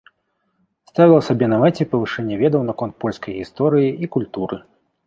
Ставіла сабе на мэце павышэнне ведаў наконт польскай гісторыі і культуры.